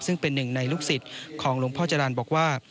ซึ่งเป็นหนึ่งในลูกศิษย์ของหลวงพ่อจรรย์บอกว่า